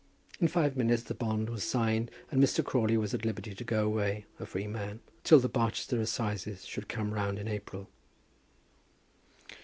In five minutes the bond was signed and Mr. Crawley was at liberty to go away, a free man, till the Barchester Assizes should come round in April.